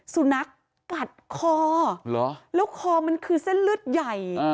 สุนัขกัดคอแล้วคอมันคือเส้นเลือดใหญ่